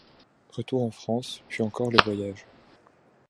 Retour en France, puis encore le voyage.